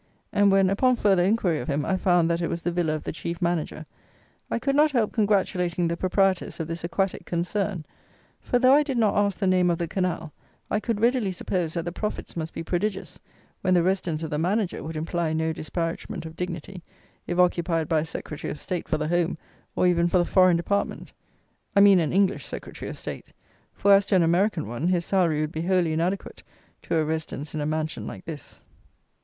And, when, upon further inquiry of him, I found that it was the villa of the chief manager, I could not help congratulating the proprietors of this aquatic concern; for, though I did not ask the name of the canal, I could readily suppose, that the profits must be prodigious, when the residence of the manager would imply no disparagement of dignity, if occupied by a Secretary of State for the Home, or even for the Foreign, department. I mean an English Secretary of State; for, as to an American one, his salary would be wholly inadequate to a residence in a mansion like this.